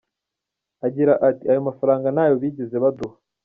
Agira ati « Ayo mafaranga ntayo bigeze baduha.